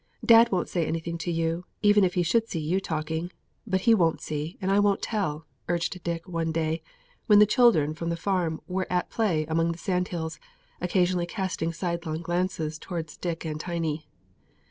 "Dad won't say anything to you, even if he should see you talking; but he won't see, and I won't tell," urged Dick, one day, when the children from the farm were at play among the sandhills, and occasionally casting sidelong glances towards Dick and Tiny.